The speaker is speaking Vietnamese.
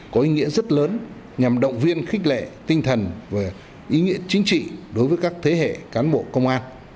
có ý nghĩa rất lớn nhằm động viên khích lệ tinh thần và ý nghĩa chính trị đối với các thế hệ cán bộ công an